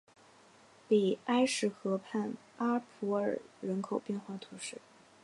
比埃什河畔阿普尔人口变化图示